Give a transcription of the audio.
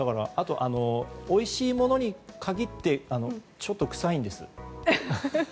おいしいものに限ってちょっと、くさいんです。